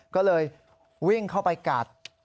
ก็เลยวิ่งเข้าไปกัด